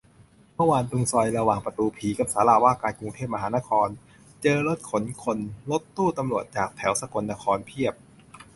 เมื่อวานตรงซอยระหว่างประตูผีกับศาลาว่าการกรุงเทพมหานคร เจอรถขนคน-รถตู้ตำรวจจากแถวสกลนครเพียบ